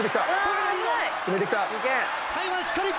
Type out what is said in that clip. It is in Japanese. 「詰めてきた！」